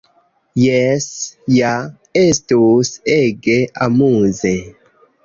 "Jes ja! Estus ege amuze!"